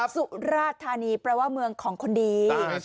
สุราธานีแปลว่าเมืองของคนดี